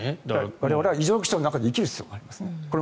我々は異常気象の中で生きる必要がありますね。